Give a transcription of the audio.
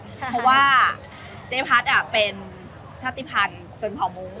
เพราะว่าเจพัฒน์อ่ะเป็นชาติภัณฑ์ชนผ่อมุ้ง